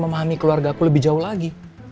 memahami keluarga aku lebih jauh lagi